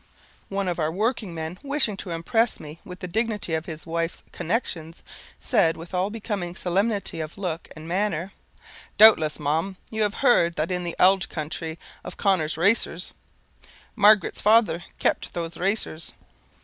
One of our working men, wishing to impress me with the dignity of his wife's connexions, said with all becoming solemnity of look and manner "Doubtless, ma'am, you have heard in the ould counthry of Connor's racers. Margaret's father kept those racers."